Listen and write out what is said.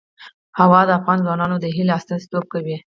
هوا د افغان ځوانانو د هیلو استازیتوب کوي.